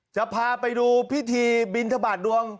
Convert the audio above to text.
จะพาไปดูพิธีบินทบาทดวง